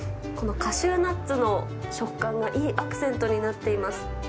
このカシューナッツの食感がいいアクセントになっています。